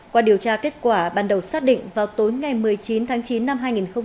qua điều tra kết quả ban đầu xác định vào tối ngày một mươi chín tháng chín năm hai nghìn hai mươi ba